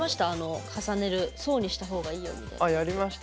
重ねる層にしたほうがいいよみたいな。